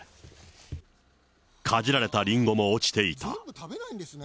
かじられたリンゴも落ちていた。